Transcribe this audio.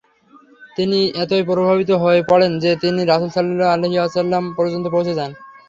তিনি এতই প্রভাবিত হয়ে পড়েন যে তিনি রাসূল সাল্লাল্লাহু আলাইহি ওয়াসাল্লাম পর্যন্ত পৌঁছতে চান।